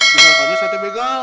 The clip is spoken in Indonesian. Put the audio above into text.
bukannya saya tidak begal